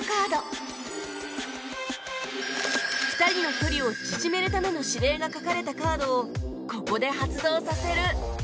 ２人の距離を縮めるための指令が書かれたカードをここで発動させる